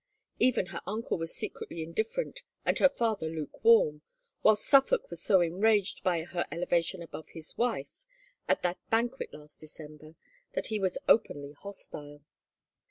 Even her uncle was secretly indifferent and her father lukewarm, while Suffolk was so enraged by her elevation above his wife, at that banquet last December, that he was openly hostile.